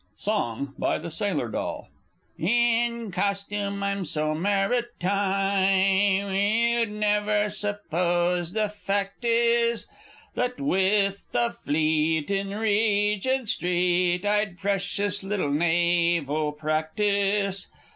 Song, by the Sailor Doll. In costume I'm So maritime, You'd never suppose the fact is, That with the Fleet In Regent Street, I'd precious little naval practice!